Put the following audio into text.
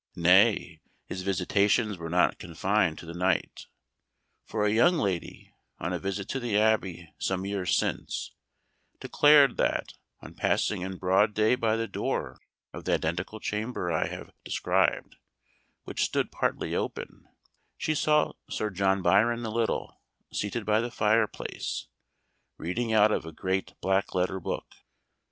Nay, his visitations were not confined to the night, for a young lady, on a visit to the Abbey some years since, declared that, on passing in broad day by the door of the identical chamber I have described, which stood partly open, she saw Sir John Byron the Little seated by the fireplace, reading out of a great black letter book.